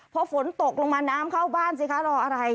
พอฝนตกลงมาน้ำเข้าบ้านสิคะรออะไร